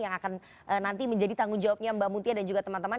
yang akan nanti menjadi tanggung jawabnya mbak mutia dan juga teman teman